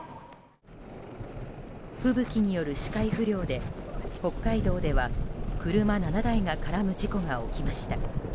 吹雪による視界不良で北海道では車７台が絡む事故が起きました。